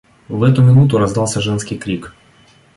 В эту минуту раздался женский крик.